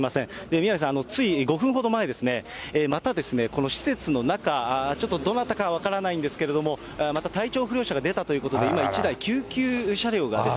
宮根さん、つい５分ほど前ですね、またこの施設の中、ちょっとどなたか分からないんですけれども、また体調不良者が出たということで、暑いですもんね。